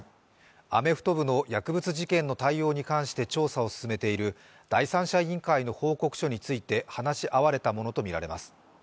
アメフト部の薬物事件の対応に関して調査を進めている第三者委員会の報告書について話し合われたものとみられます。